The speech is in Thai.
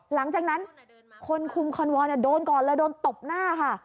หลังจากนั้นคนคุมคอนวอลโดนก่อนเลยโดนตบหน้าค่ะ